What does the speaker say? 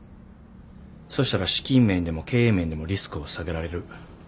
そしたら資金面でも経営面でもリスクを下げられる。